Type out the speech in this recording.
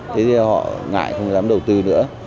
thế thì họ ngại không dám đầu tư nữa